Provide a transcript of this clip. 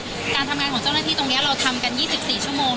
การทำงานของเจ้าหน้าที่ตรงนี้เราทำกัน๒๔ชั่วโมง